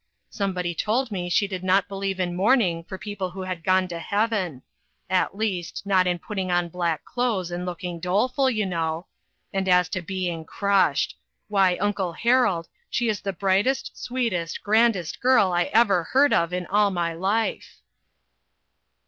Somebody told me she did not believe in mourning for people who had gone to heaven ; at least, not in putting on black RECOGNITION. 375 clothes and looking doleful, you know. And as to being crushed! why, uncle Harold, she is the brightest, sweetest, grandest girl I ever heard of in all my life."